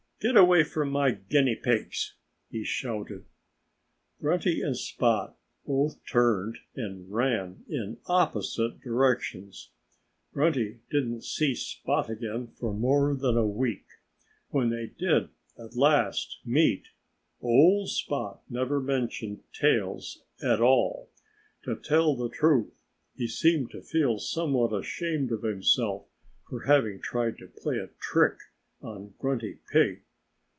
"Get away from my guinea pigs!" he shouted. Grunty and Spot both turned and ran in opposite directions. Grunty didn't see Spot again for more than a week. When they did at last meet, old Spot never mentioned tails at all. To tell the truth, he seemed to feel somewhat ashamed of himself for having tried to play a trick on Grunty Pig.